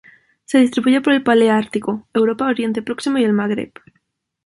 Se distribuye por el paleártico: Europa, Oriente Próximo y el Magreb.